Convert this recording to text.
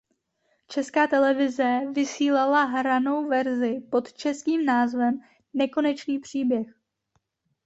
Česká televize vysílala hranou verzi pod českým názvem "Nekonečný příběh".